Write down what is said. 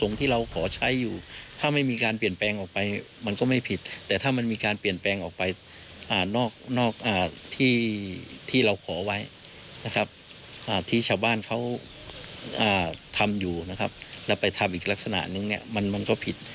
เขาอยู่ที่ตัวเขาว่าเขาจะตัดสินใจยังไง